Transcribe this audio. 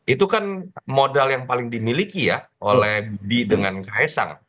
itu kan modal yang paling dimiliki ya oleh budi dengan khaesang